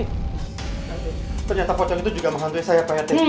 ternyata pocong itu juga menghantui saya pak ya